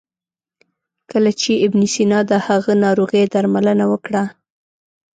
کله چې ابن سینا د هغه ناروغي درملنه وکړه.